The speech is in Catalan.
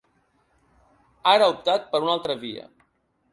Ara ha optat per una altra via.